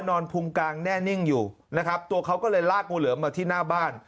พุงกางแน่นิ่งอยู่นะครับตัวเขาก็เลยลากงูเหลือมมาที่หน้าบ้าน